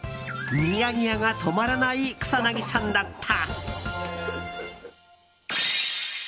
ニヤニヤが止まらない草なぎさんだった。